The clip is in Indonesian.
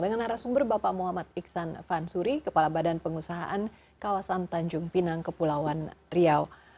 dengan arah sumber bapak muhammad iksan vansuri kepala badan pengusahaan kawasan tanjung pinang kepulauan riau